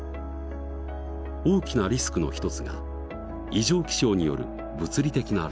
大きなリスクの一つが異常気象による物理的なリスクだ。